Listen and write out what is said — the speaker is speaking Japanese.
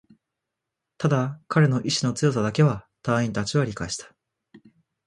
ただ、彼の意志の強さだけは隊員達は理解した